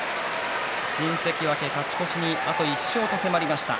新関脇、勝ち越しにあと１勝と迫りました。